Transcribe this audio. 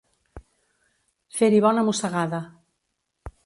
Fer-hi bona mossegada.